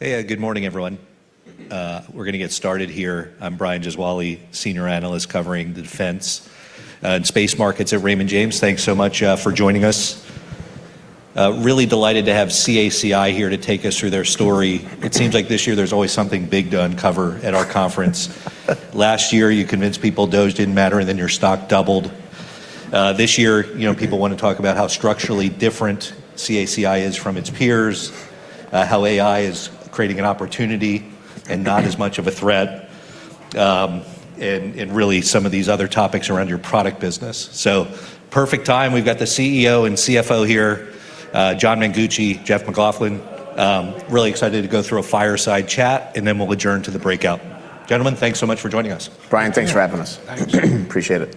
Hey, good morning, everyone. We're gonna get started here. I'm Brian Gesuale, senior analyst covering the defense and space markets at Raymond James. Thanks so much for joining us. Really delighted to have CACI here to take us through their story. It seems like this year there's always something big to uncover at our conference. Last year, you convinced people DOGE didn't matter, and then your stock doubled. This year, you know, people wanna talk about how structurally different CACI is from its peers, how AI is creating an opportunity and not as much of a threat, and really some of these other topics around your product business. Perfect time. We've got the CEO and CFO here, John Mengucci, Jeff MacLauchlan. Really excited to go through a fireside chat, and then we'll adjourn to the breakout. Gentlemen, thanks so much for joining us. Brian, thanks for having us. Yeah. Thanks. Appreciate it.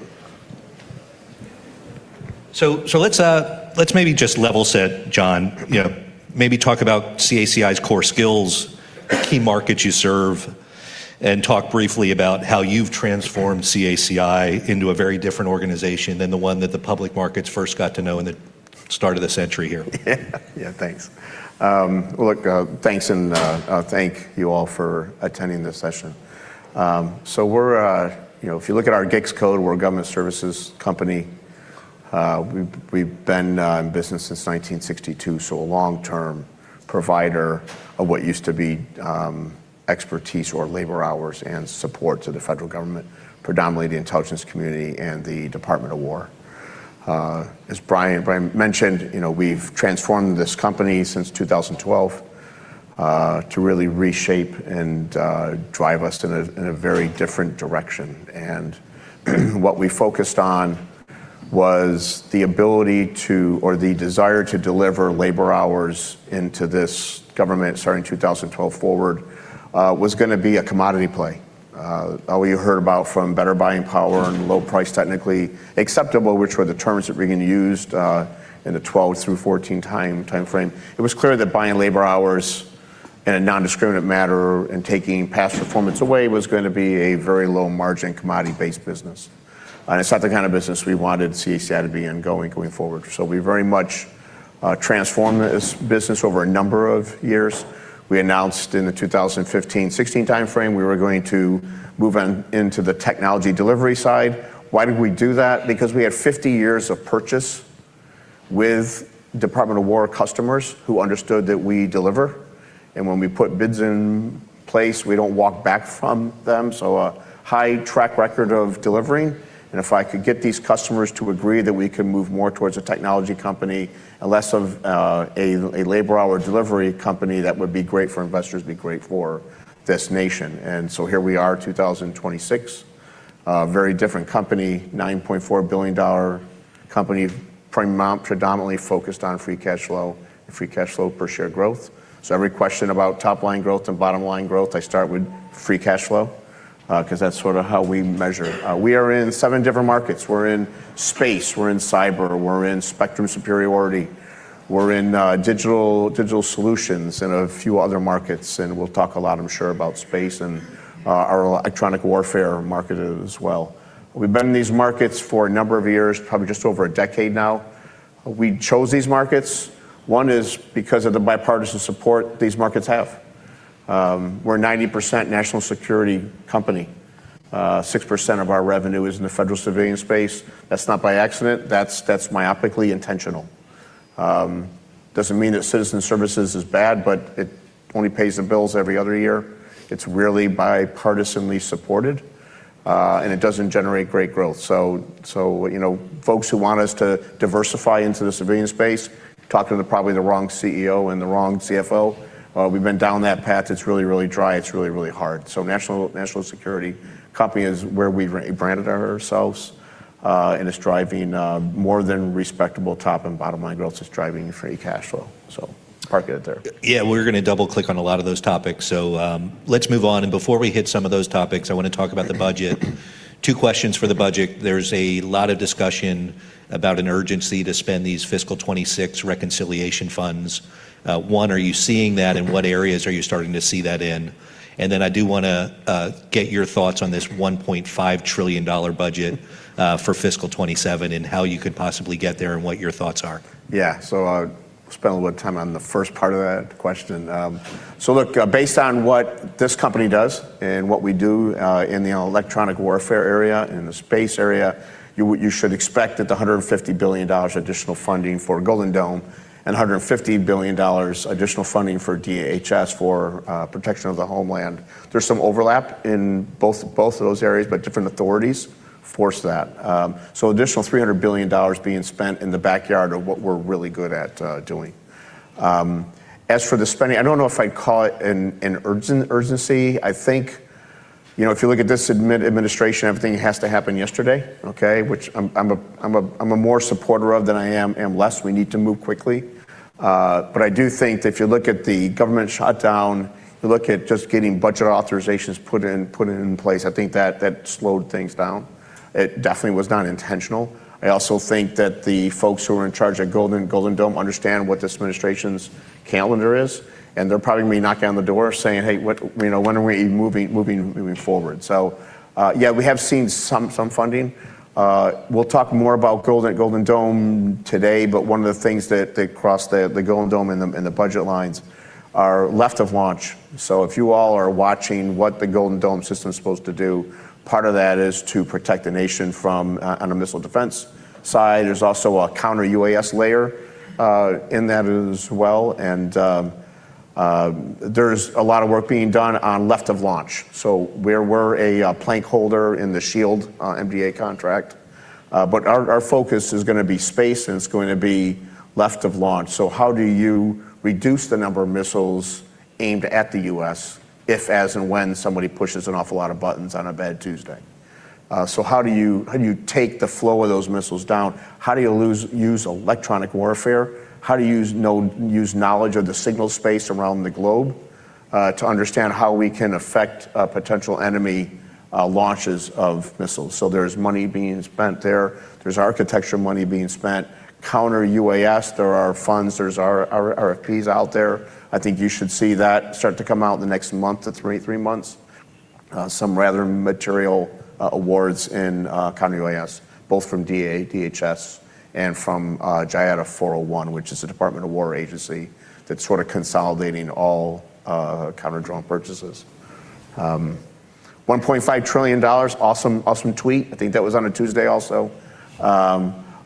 Let's maybe just level set, John. You know, maybe talk about CACI's core skills, key markets you serve, and talk briefly about how you've transformed CACI into a very different organization than the one that the public markets first got to know in the start of the century here. Thanks. Look, thanks and thank you all for attending this session. We're, you know, if you look at our GICS code, we're a government services company. We've been in business since 1962, so a long-term provider of what used to be expertise or labor hours and support to the federal government, predominantly the intelligence community and the Department of Defense. As Brian Gesuale mentioned, you know, we've transformed this company since 2012 to really reshape and drive us in a very different direction. What we focused on was the ability to or the desire to deliver labor hours into this government starting 2012 forward was gonna be a commodity play. All you heard about from Better Buying Power and Lowest Price Technically Acceptable, which were the terms that were being used in the 2012-2014 timeframe. It was clear that buying labor hours in a non-discriminant matter and taking past performance away was going to be a very low margin, commodity-based business. It's not the kind of business we wanted CACI to be going forward. We very much transformed this business over a number of years. We announced in the 2015-2016 timeframe, we were going to move on into the technology delivery side. Why did we do that? Because we had 50 years of purchase with Department of Defense customers who understood that we deliver, and when we put bids in place, we don't walk back from them, so a high track record of delivering. If I could get these customers to agree that we could move more towards a technology company and less of a labor hour delivery company, that would be great for investors, be great for this nation. Here we are, 2026, a very different company, a $9.4 billion company, prime mount predominantly focused on free cash flow, free cash flow per share growth. Every question about top line growth and bottom line growth, I start with free cash flow, 'cause that's sorta how we measure. We are in seven different markets. We're in space, we're in cyber, we're in spectrum superiority, we're in digital solutions and a few other markets, and we'll talk a lot, I'm sure, about space and our electronic warfare market as well. We've been in these markets for a number of years, probably just over a decade now. We chose these markets. One is because of the bipartisan support these markets have. We're a 90% national security company. 6% of our revenue is in the federal civilian space. That's not by accident. That's myopically intentional. Doesn't mean that citizen services is bad, but it only pays the bills every other year. It's rarely bipartisanly supported, and it doesn't generate great growth. You know, folks who want us to diversify into the civilian space, talk to the probably the wrong CEO and the wrong CFO. We've been down that path. It's really, really dry. It's really, really hard. National security company is where we've re-branded ourselves, and it's driving more than respectable top and bottom line growth. It's driving free cash flow. Park it there. We're gonna double-click on a lot of those topics. Let's move on. Before we hit some of those topics, I wanna talk about the budget. Two questions for the budget. There's a lot of discussion about an urgency to spend these fiscal 2026 reconciliation funds. One, are you seeing that? In what areas are you starting to see that in? I do wanna get your thoughts on this $1.5 trillion budget for fiscal 2027 and how you could possibly get there and what your thoughts are. Yeah. I'll spend a little time on the first part of that question. Look, based on what this company does and what we do, in the electronic warfare area and the space area, you should expect that the $150 billion additional funding for Golden Dome and $150 billion additional funding for DHS for, protection of the homeland. There's some overlap in both of those areas, but different authorities force that. Additional $300 billion being spent in the backyard of what we're really good at, doing. As for the spending, I don't know if I'd call it an urgency. I think, you know, if you look at this administration, everything has to happen yesterday, okay, which I'm a more supporter of than I am less. We need to move quickly. I do think that if you look at the government shutdown, you look at just getting budget authorizations put in place, I think that slowed things down. It definitely was not intentional. I also think that the folks who are in charge at Golden Dome understand what this administration's calendar is, and they're probably gonna be knocking on the door saying, "Hey, what, you know, when are we moving forward?" Yeah, we have seen some funding. We'll talk more about Golden Dome today. One of the things that they crossed the Golden Dome in the budget lines are left of launch. If you all are watching what the Golden Dome system is supposed to do, part of that is to protect the nation from on a missile defense side. There's also a counter UAS layer in that as well. There's a lot of work being done on left of launch. We're a plank holder in the SHIELD MDA contract. Our focus is gonna be space, and it's going to be left of launch. How do you reduce the number of missiles aimed at the U.S. if, as, and when somebody pushes an awful lot of buttons on a bad Tuesday? How do you, how do you take the flow of those missiles down? How do you use electronic warfare? How do you use knowledge of the signal space around the globe to understand how we can affect a potential enemy launches of missiles? There's money being spent there. There's architecture money being spent. Counter-UAS, there are funds. There's RFPs out there. I think you should see that start to come out in the next month to 3 months. Some rather material awards in Counter-UAS, both from DA, DHS, and from JIATF 401, which is a Department of Defense agency that's sort of consolidating all counter-drone purchases. $1.5 trillion. Awesome tweet. I think that was on a Tuesday also.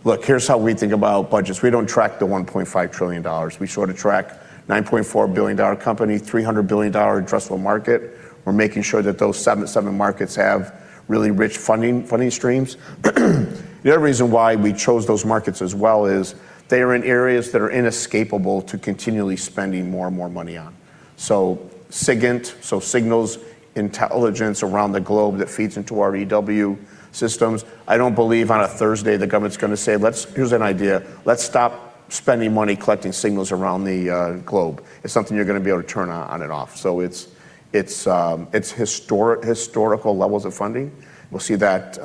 Look, here's how we think about budgets. We don't track the $1.5 trillion. We sort of track $9.4 billion company, $300 billion addressable market. We're making sure that those seven markets have really rich funding streams. The other reason why we chose those markets as well is they are in areas that are inescapable to continually spending more and more money on. SIGINT, signals intelligence around the globe that feeds into our EW systems. I don't believe on a Thursday the government's gonna say, "Here's an idea. Let's stop spending money collecting signals around the globe." It's something you're gonna be able to turn on and off. It's, it's historical levels of funding. We'll see that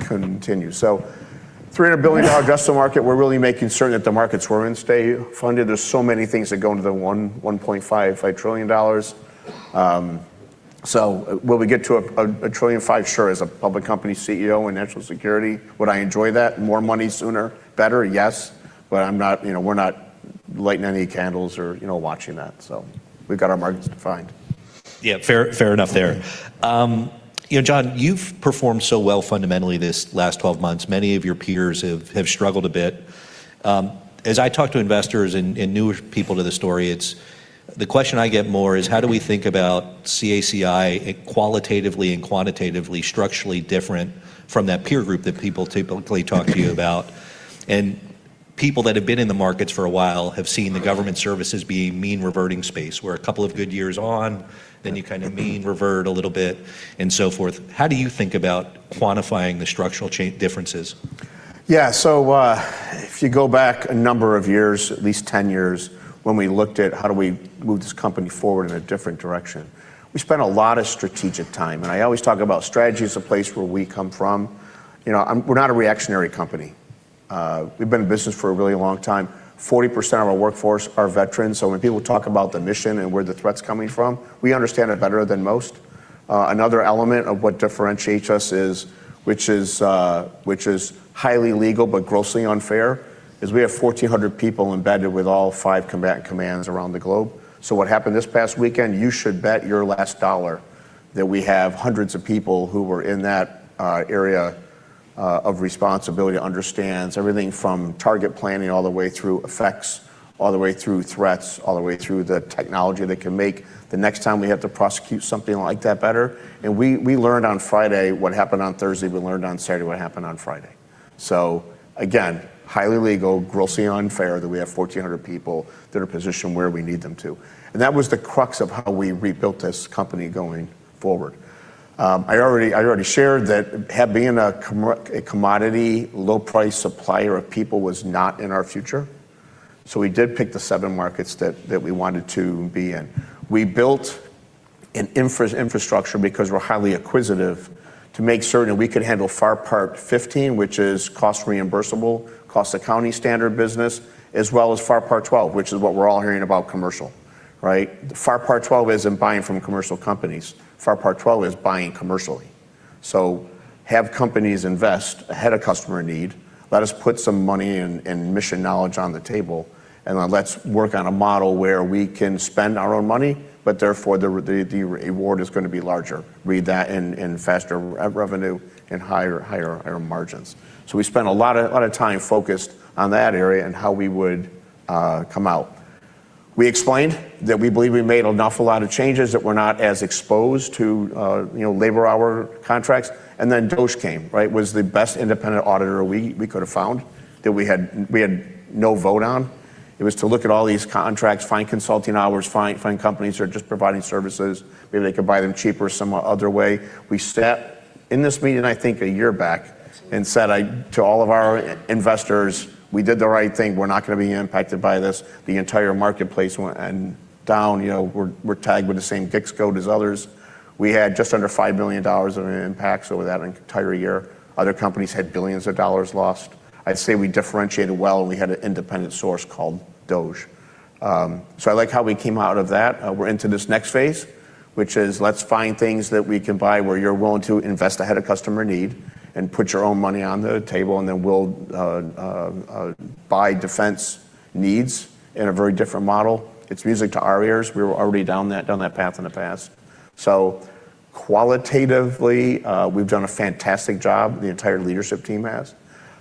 continue. $300 billion addressable market, we're really making certain that the markets we're in stay funded. There's so many things that go into the $1.5 trillion. Will we get to a, $1.5 trillion? Sure. As a public company CEO in national security, would I enjoy that? More money sooner, better? Yes. I'm not, you know, we're not lighting any candles or, you know, watching that. We've got our markets defined. Yeah. Fair enough there. You know, John, you've performed so well fundamentally this last 12 months. Many of your peers have struggled a bit. As I talk to investors and newer people to the story, the question I get more is how do we think about CACI qualitatively and quantitatively, structurally different from that peer group that people typically talk to you about. People that have been in the markets for a while have seen the government services be a mean reverting space, where a couple of good years on, then you kind of mean revert a little bit and so forth. How do you think about quantifying the structural differences? Yeah. If you go back a number of years, at least 10 years, when we looked at how do we move this company forward in a different direction, we spent a lot of strategic time, and I always talk about strategy as a place where we come from. You know, we're not a reactionary company. We've been in business for a really long time. 40% of our workforce are veterans, so when people talk about the mission and where the threat's coming from, we understand it better than most. Another element of what differentiates us is, which is, which is highly legal but grossly unfair, is we have 1,400 people embedded with all 5 combatant commands around the globe. what happened this past weekend, you should bet your last dollar that we have hundreds of people who were in that area of responsibility, understands everything from target planning all the way through effects, all the way through threats, all the way through the technology that can make the next time we have to prosecute something like that better. we learned on Friday what happened on Thursday, we learned on Saturday what happened on Friday. again, highly legal, grossly unfair that we have 1,400 people that are positioned where we need them to. that was the crux of how we rebuilt this company going forward. I already shared that being a commodity low price supplier of people was not in our future. we did pick the seven markets we wanted to be in. We built an infrastructure because we're highly acquisitive to make certain we could handle FAR Part 15, which is cost reimbursable, cost accounting standard business, as well as FAR Part 12, which is what we're all hearing about commercial, right? FAR Part 12 isn't buying from commercial companies. FAR Part 12 is buying commercially. Have companies invest ahead of customer need. Let us put some money and mission knowledge on the table, and then let's work on a model where we can spend our own money, but therefore the reward is gonna be larger. Read that in faster re-revenue and higher margins. We spent a lot of time focused on that area and how we would come out. We explained that we believe we made an awful lot of changes, that we're not as exposed to, you know, labor hour contracts, and then DCAA came, right? Was the best independent auditor we could have found that we had no vote on. It was to look at all these contracts, find consulting hours, find companies who are just providing services. Maybe they could buy them cheaper some other way. We sat in this meeting, I think, a year back. Said I, to all of our investors, "We did the right thing. We're not gonna be impacted by this." The entire marketplace went and down, you know, we're tagged with the same ticks code as others. We had just under $5 billion of an impact over that entire year. Other companies had billions of dollars lost. I'd say we differentiated well, and we had an independent source called DOGE. I like how we came out of that. We're into this next phase, which is let's find things that we can buy where you're willing to invest ahead of customer need and put your own money on the table, then we'll buy defense needs in a very different model. It's music to our ears. We were already down that path in the past. Qualitatively, we've done a fantastic job, the entire leadership team has.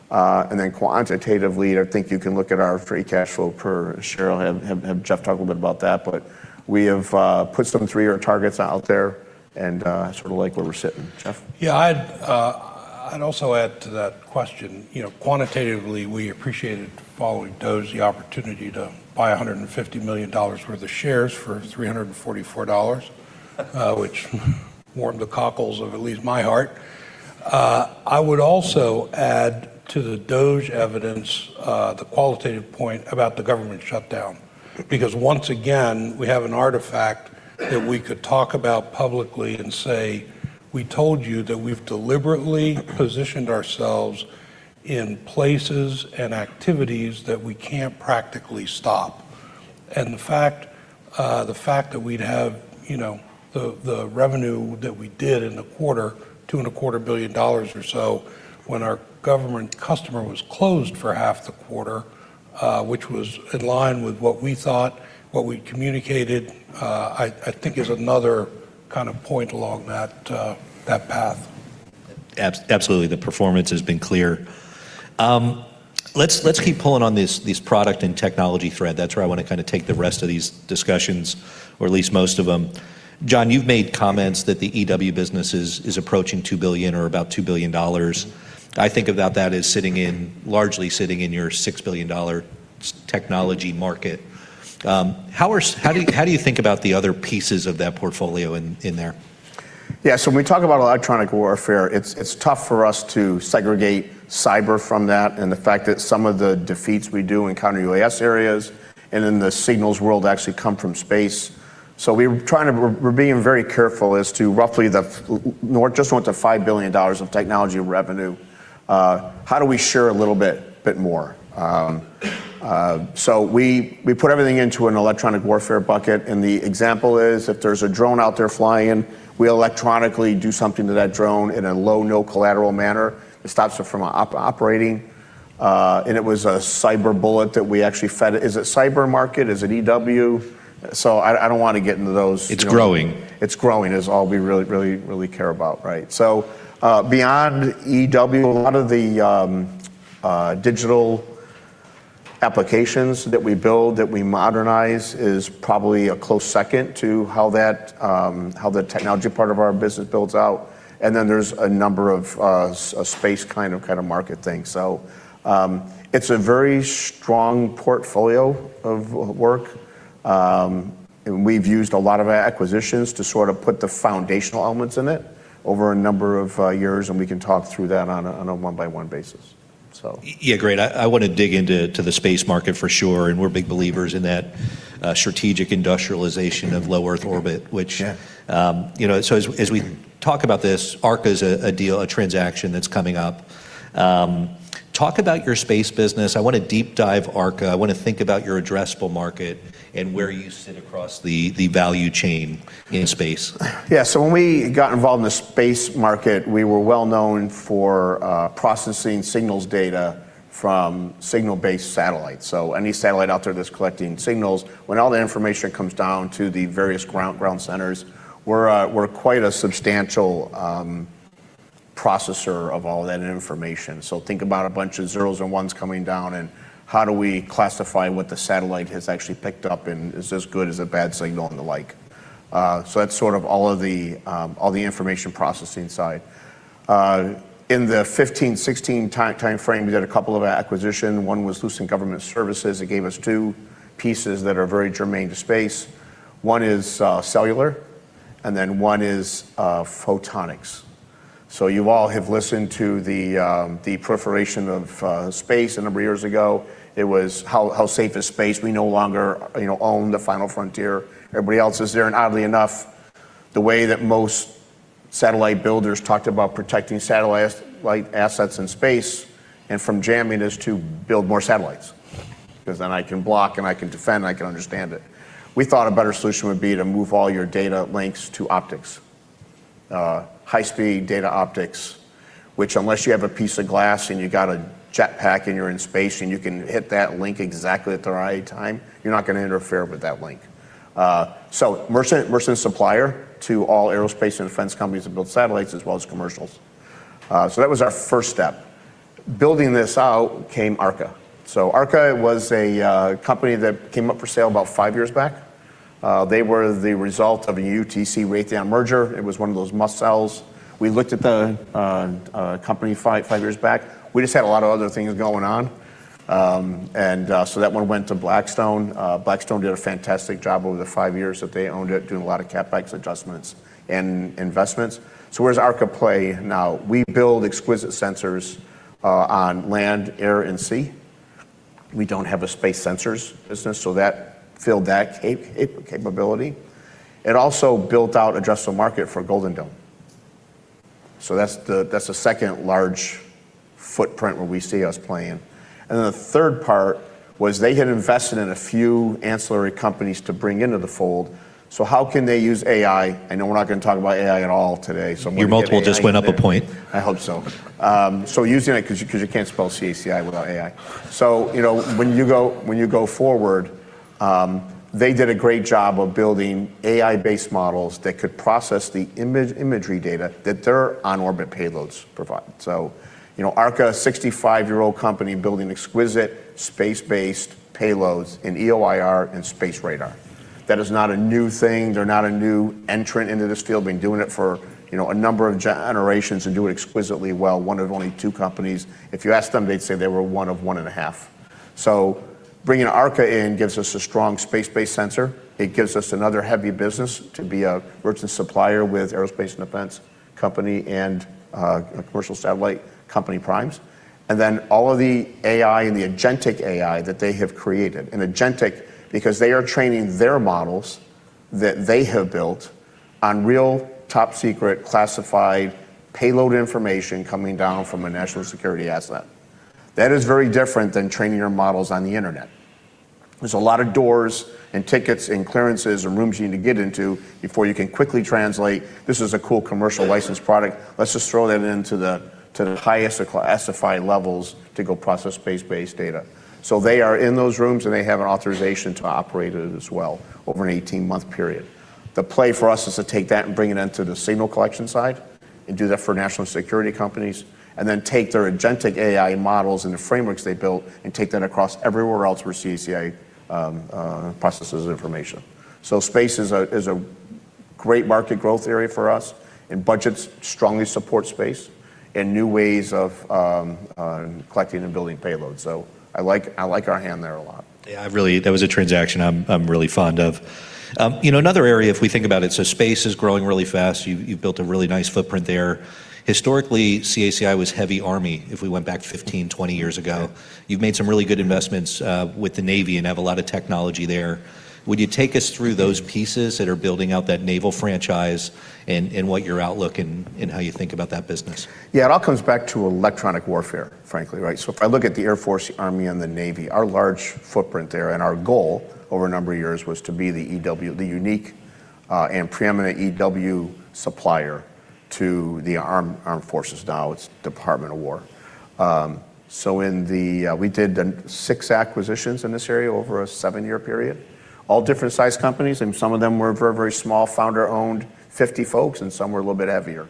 Then quantitatively, I think you can look at our free cash flow per share. I'll have Jeff talk a little bit about that. We have put some 3-year targets out there, I sort of like where we're sitting. Jeff? Yeah. I'd also add to that question, you know, quantitatively, we appreciated following DOGE, the opportunity to buy $150 million worth of shares for $344, which warmed the cockles of at least my heart. I would also add to the DOGE evidence, the qualitative point about the government shutdown. Once again, we have an artifact that we could talk about publicly and say, "We told you that we've deliberately positioned ourselves in places and activities that we can't practically stop." The fact that we'd have, you know, the revenue that we did in a quarter, $2,250,000,000 dollars or so, when our government customer was closed for half the quarter, which was in line with what we thought, what we'd communicated, I think is another kind of point along that path. Absolutely. The performance has been clear. Let's keep pulling on this product and technology thread. That's where I wanna kinda take the rest of these discussions, or at least most of them. John, you've made comments that the EW business is approaching $2 billion or about $2 billion. I think about that as largely sitting in your $6 billion technology market. How do you think about the other pieces of that portfolio in there? Yeah. When we talk about electronic warfare, it's tough for us to segregate cyber from that, and the fact that some of the defeats we do in counter-UAS areas and in the signals world actually come from space. We're being very careful as to roughly just went to $5 billion of technology revenue. How do we share a little bit more? We put everything into an electronic warfare bucket, and the example is if there's a drone out there flying, we electronically do something to that drone in a low, no collateral manner. It stops it from operating, and it was a cyber bullet that we actually fed. Is it cyber market? Is it EW? I don't wanna get into those, you know. It's growing. It's growing is all we really care about, right? Beyond EW, a lot of the digital applications that we build, that we modernize is probably a close second to how that, how the technology part of our business builds out. Then there's a number of a space kind of market thing. It's a very strong portfolio of work. And we've used a lot of our acquisitions to sort of put the foundational elements in it over a number of years, and we can talk through that on a one-by-one basis. Yeah, great. I wanna dig into the space market for sure, and we're big believers in that strategic industrialization of low Earth orbit. Yeah. you know, as we talk about this, ARKA's a deal, a transaction that's coming up. Talk about your space business. I wanna deep dive ARKA. I wanna think about your addressable market and where you sit across the value chain in space. When we got involved in the space market, we were well known for processing signals data from signal-based satellites. Any satellite out there that's collecting signals, when all that information comes down to the various ground centers, we're quite a substantial processor of all that information. Think about a bunch of zeros and ones coming down and how do we classify what the satellite has actually picked up and is this a good, is it a bad signal and the like. That's sort of all of the all the information processing side. In the 2015, 2016 timeframe, we did a couple of acquisition. One was LGS Innovations. It gave us two pieces that are very germane to space. One is cellular, one is photonics. You all have listened to the proliferation of space a number of years ago. It was how safe is space? We no longer, you know, own the final frontier. Everybody else is there. Oddly enough, the way that most satellite builders talked about protecting satellite, like, assets in space and from jamming is to build more satellites. 'Cause then I can block and I can defend and I can understand it. We thought a better solution would be to move all your data links to optics. High speed data optics, which unless you have a piece of glass and you got a jet pack and you're in space and you can hit that link exactly at the right time, you're not gonna interfere with that link. Mersen's supplier to all aerospace and defense companies that build satellites as well as commercials. That was our first step. Building this out came ARKA. ARKA was a company that came up for sale about 5 years back. They were the result of a UTC Raytheon merger. It was one of those must-sells. We looked at the company 5 years back. We just had a lot of other things going on. That one went to Blackstone. Blackstone did a fantastic job over the 5 years that they owned it, doing a lot of CapEx adjustments and investments. Where does ARKA play now? We build exquisite sensors on land, air, and sea. We don't have a space sensors business, that filled that capability. It also built out addressable market for Golden Dome. That's the second large footprint where we see us playing. The third part was they had invested in a few ancillary companies to bring into the fold. How can they use AI? I know we're not going to talk about AI at all today. Your multiple just went up a point. Using it because you can't spell CACI without AI. You know, when you go forward, they did a great job of building AI-based models that could process the imagery data that their on-orbit payloads provide. You know, ARKA, a 65-year-old company building exquisite space-based payloads in EOIR and space radar. That is not a new thing. They're not a new entrant into this field. Been doing it for, you know, a number of generations and do it exquisitely well. One of only 2 companies. If you ask them, they'd say they were 1 of 1 and a half. Bringing ARKA in gives us a strong space-based sensor. It gives us another heavy business to be a merchant supplier with aerospace and defense company and a commercial satellite company primes. All of the AI and the Agentic AI that they have created. Agentic because they are training their models that they have built on real top-secret classified payload information coming down from a national security asset. That is very different than training your models on the Internet. There's a lot of doors and tickets and clearances and rooms you need to get into before you can quickly translate, this is a cool commercial licensed product. Let's just throw that into the highest classified levels to go process space-based data. They are in those rooms and they have an Authorization to Operate it as well over an 18-month period. The play for us is to take that and bring it into the signal collection side and do that for national security companies and then take their Agentic AI models and the frameworks they built and take that across everywhere else where CACI processes information. Space is a great market growth area for us and budgets strongly support space and new ways of collecting and building payloads. I like our hand there a lot. I really, that was a transaction I'm really fond of. You know, another area if we think about it, space is growing really fast. You've built a really nice footprint there. Historically, CACI was heavy Army if we went back 15, 20 years ago. You've made some really good investments with the Navy and have a lot of technology there. Would you take us through those pieces that are building out that naval franchise and what your outlook and how you think about that business? Yeah, it all comes back to electronic warfare, frankly, right? If I look at the Air Force, Army, and the Navy, our large footprint there and our goal over a number of years was to be the EW, the unique and preeminent EW supplier to the armed forces. Now it's Department of War. In the, we did 6 acquisitions in this area over a 7-year period, all different size companies. Some of them were very, very small, founder-owned, 50 folks, and some were a little bit heavier.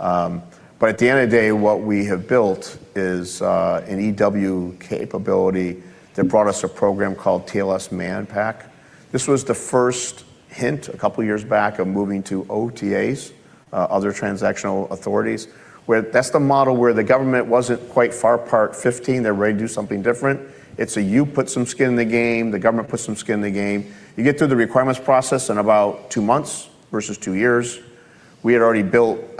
At the end of the day, what we have built is an EW capability that brought us a program called TLS Manpack. This was the first hint a couple of years back of moving to OTAs, other transactional authorities, where that's the model where the government wasn't quite FAR Part 15. They're ready to do something different. It's you put some skin in the game, the government puts some skin in the game. You get through the requirements process in about 2 months versus 2 years. We had already built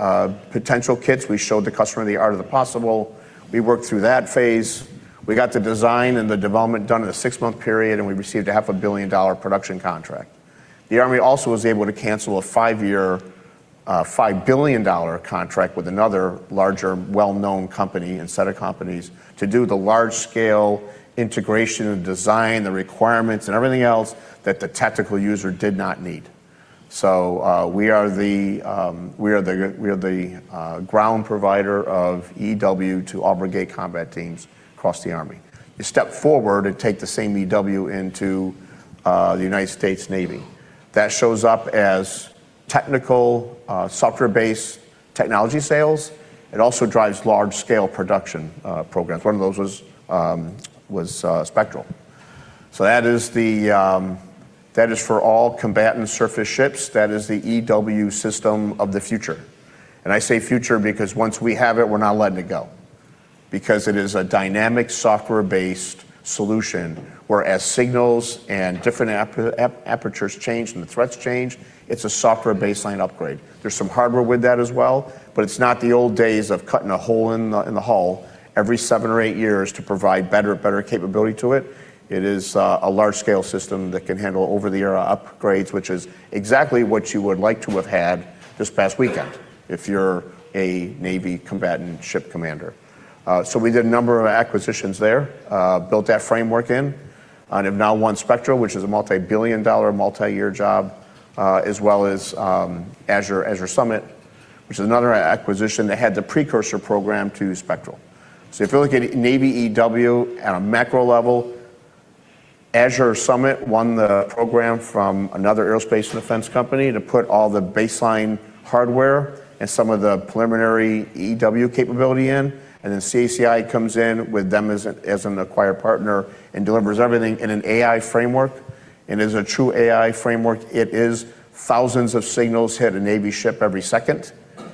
potential kits. We showed the customer the art of the possible. We worked through that phase. We got the design and the development done in a 6-month period, and we received a $500,000,000 production contract. The Army also was able to cancel a 5-year, $5 billion contract with another larger, well-known company and set of companies to do the large-scale integration and design, the requirements and everything else that the tactical user did not need. We are the ground provider of EW to all Brigade Combat Teams across the Army. You step forward and take the same EW into the United States Navy. That shows up as technical software-based technology sales. It also drives large-scale production programs. One of those was Spectral. That is for all combatant surface ships. That is the EW system of the future. I say future because once we have it, we're not letting it go because it is a dynamic software-based solution where as signals and different apertures change and the threats change, it's a software baseline upgrade. There's some hardware with that as well, but it's not the old days of cutting a hole in the hull every seven or eight years to provide better and better capability to it. It is a large-scale system that can handle over-the-era upgrades, which is exactly what you would like to have had this past weekend if you're a Navy combatant ship commander. We did a number of acquisitions there, built that framework in, and have now won Spectral, which is a multi-billion dollar, multi-year job, as well as Azure Summit, which is another acquisition that had the precursor program to Spectral. If you're looking at Navy EW at a macro level, Azure Summit won the program from another aerospace and defense company to put all the baseline hardware and some of the preliminary EW capability in. Then CACI comes in with them as an acquired partner and delivers everything in an AI framework. As a true AI framework, it is thousands of signals hit a Navy ship every second.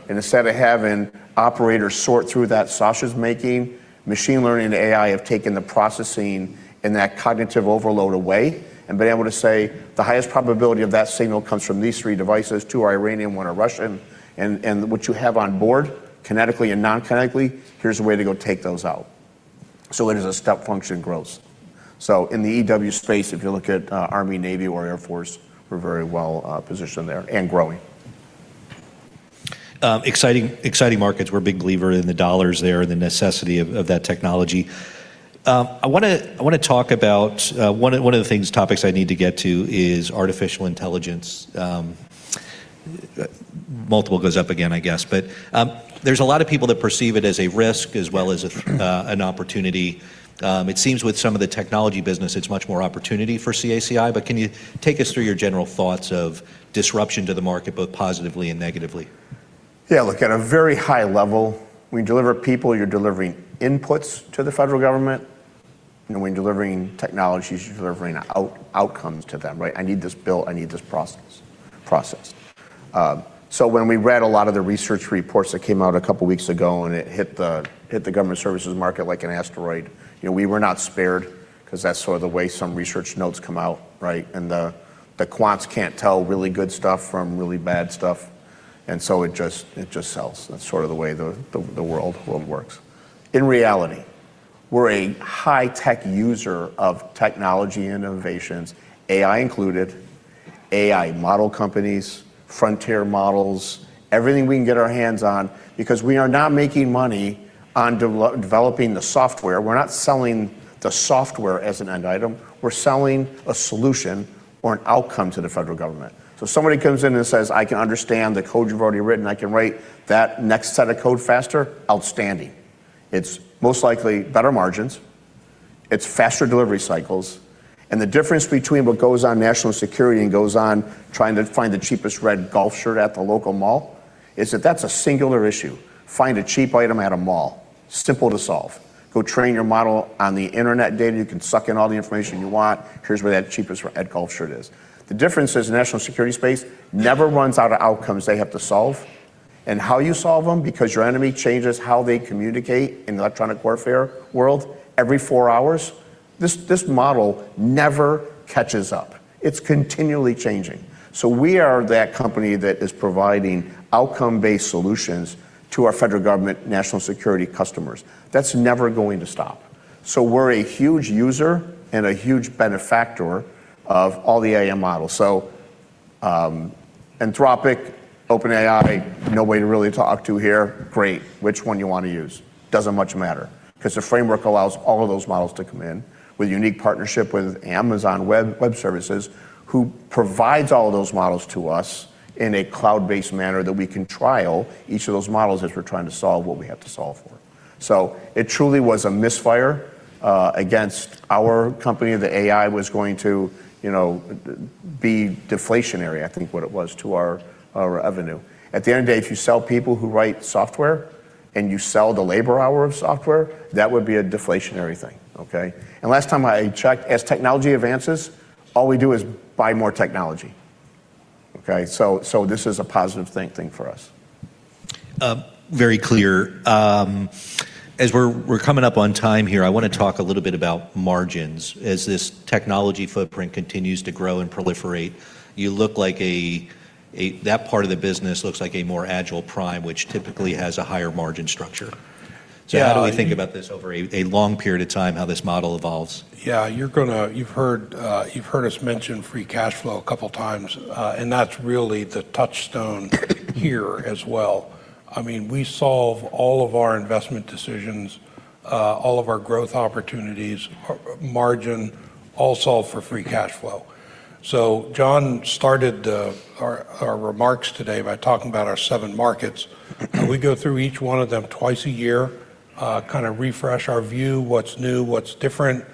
Instead of having operators sort through that Sasha's making, machine learning and AI have taken the processing and that cognitive overload away and been able to say the highest probability of that signal comes from these 3 devices, 2 are Iranian, 1 are Russian, and what you have on board kinetically and non-kinetically, here's a way to go take those out. It is a step function growth. In the EW space, if you look at Army, Navy, or Air Force, we're very well positioned there and growing. exciting markets. We're a big believer in the dollars there and the necessity of that technology. I wanna talk about one of the things, topics I need to get to is artificial intelligence. multiple goes up again, I guess. There's a lot of people that perceive it as a risk as well as an opportunity. It seems with some of the technology business, it's much more opportunity for CACI, but can you take us through your general thoughts of disruption to the market, both positively and negatively? Yeah, look, at a very high level, when you deliver people, you're delivering inputs to the federal government. When you're delivering technologies, you're delivering outcomes to them, right? I need this built, I need this process. When we read a lot of the research reports that came out 2 weeks ago, it hit the government services market like an asteroid, you know, we were not spared, 'cause that's sort of the way some research notes come out, right? The quants can't tell really good stuff from really bad stuff, it just sells. That's sort of the way the world works. In reality, we're a high-tech user of technology innovations, AI included, AI model companies, frontier models, everything we can get our hands on because we are not making money on developing the software. We're not selling the software as an end item. We're selling a solution or an outcome to the federal government. Somebody comes in and says, "I can understand the code you've already written. I can write that next set of code faster," outstanding. It's most likely better margins. It's faster delivery cycles. The difference between what goes on national security and goes on trying to find the cheapest red golf shirt at the local mall is that that's a singular issue. Find a cheap item at a mall. Simple to solve. Go train your model on the internet data. You can suck in all the information you want. Here's where that cheapest red golf shirt is. The difference is national security space never runs out of outcomes they have to solve, and how you solve them, because your enemy changes how they communicate in the electronic warfare world every 4 hours, this model never catches up. It's continually changing. We are that company that is providing outcome-based solutions to our federal government national security customers. That's never going to stop. Anthropic, OpenAI, nobody to really talk to here, great. Which one you wanna use? Doesn't much matter, 'cause the framework allows all of those models to come in with unique partnership with Amazon Web Services, who provides all of those models to us in a cloud-based manner that we can trial each of those models as we're trying to solve what we have to solve for. It truly was a misfire, against our company. The AI was going to, you know, be deflationary, I think what it was, to our revenue. At the end of the day, if you sell people who write software and you sell the labor hour of software, that would be a deflationary thing, okay? Last time I checked, as technology advances, all we do is buy more technology. Okay? This is a positive thing for us. Very clear. As we're coming up on time here, I wanna talk a little bit about margins. As this technology footprint continues to grow and proliferate, That part of the business looks like a more agile prime, which typically has a higher margin structure. Yeah. How do we think about this over a long period of time, how this model evolves? You've heard, you've heard us mention free cash flow a couple times. That's really the touchstone- here as well. I mean, we solve all of our investment decisions, all of our growth opportunities, margin, all solve for free cash flow. John started our remarks today by talking about our seven markets. We go through each one of them twice a year, kinda refresh our view, what's new, what's different,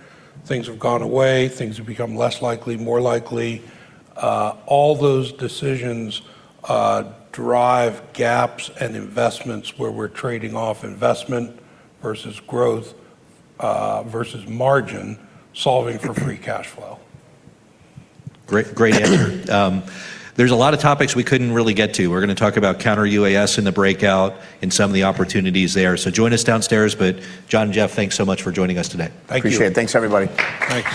things have gone away, things have become less likely, more likely. All those decisions drive gaps and investments where we're trading off investment versus growth, versus margin, solving for free cash flow. Great, great answer. There's a lot of topics we couldn't really get to. We're gonna talk about counter-UAS in the breakout and some of the opportunities there. Join us downstairs. John and Jeff, thanks so much for joining us today. Thank you. Appreciate it. Thanks, everybody.